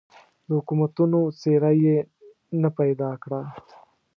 د حکومتونو څېره یې نه پیدا کړه.